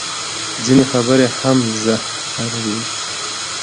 ځینې خبرې هم زهر وي